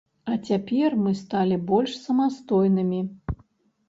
А цяпер мы сталі больш самастойнымі.